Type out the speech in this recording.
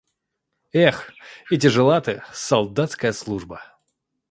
– Эх, и тяжела ты, солдатская служба!